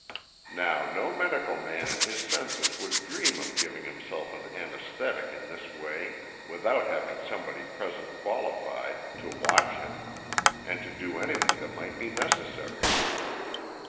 Now no medical man in his senses would dream of giving himself an anaesthetic in this way without having somebody present qualified to watch him, and to do anything that might be neces sary.